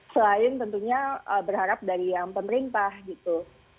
selain tentunya berharap dari yang pemerintah gitu